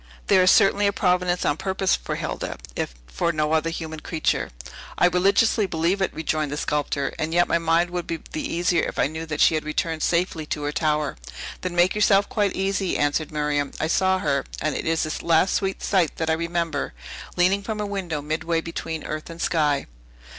There is certainly a providence on purpose for Hilda, if for no other human creature." "I religiously believe it," rejoined the sculptor; "and yet my mind would be the easier, if I knew that she had returned safely to her tower." "Then make yourself quite easy," answered Miriam. "I saw her (and it is the last sweet sight that I remember) leaning from her window midway between earth and sky!"